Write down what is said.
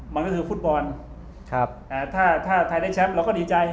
มันก็คือฟุตบอลถ้าไทยได้แชมป์เราก็ดีใจ